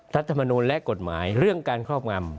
รัฐมนูลและกฎหมายเรื่องการครอบงำ